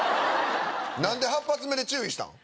何で８発目で注意したん？